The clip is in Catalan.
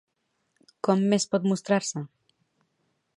Com més pot mostrar-se?